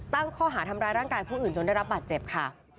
ตั้งข้อหาทำร้ายร่างกายผู้อื่นจนได้รับบาดเจ็บค่ะ